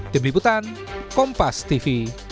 tim liputan kompas tv